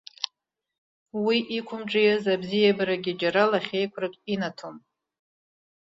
Уи иқәымҿиаз абзиабарагьы џьара лахьеиқәрак инаҭом.